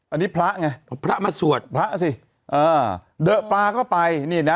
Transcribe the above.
อันนี้พระไงพระมาสวดพระสิเออเดอะปลาเข้าไปนี่นะ